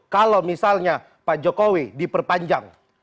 kalau misalnya pak jokowi diperpanjang